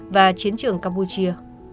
và chiến trường campuchia